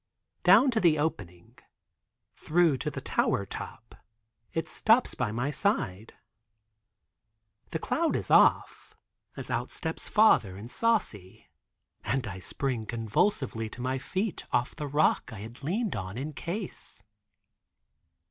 Down to the opening, through to the tower top it stops by my side. The cloud is off, as out steps father and Saucy, and I spring convulsively to my feet off the rock I had leaned on in case.